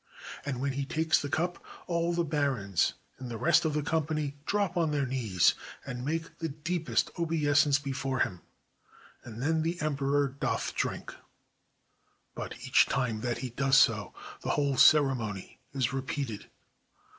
And when he takes the cup, all the barons and the rest of the company drop on their knees and make the deepest obeisance before him, and then the emperor doth drink. But each time that he does so the whole ceremony is repeated.